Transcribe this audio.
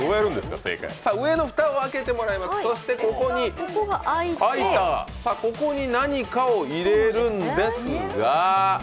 上の蓋を開けてもらいます、更にここに何かを入れるんですが。